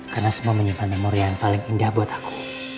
karena semua menyimpan namanya yang paling indah buat aku